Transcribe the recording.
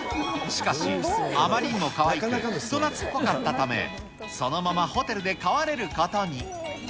しかし、あまりにもかわいく、人なつっこかったため、そのままホテルで飼われることに。